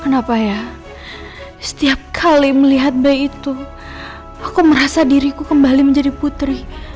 kenapa ya setiap kali melihat bayi itu aku merasa diriku kembali menjadi putri